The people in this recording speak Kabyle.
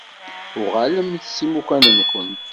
Uɣalemt s imukan-nkent.